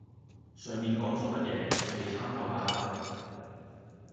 上面講左乜野,自己參透下啦